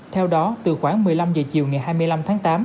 theo đó từ khoảng một mươi năm h chiều ngày hai mươi năm tháng tám